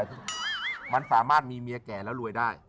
คือมันสามารถมีเมียแก่แล้วรวยได้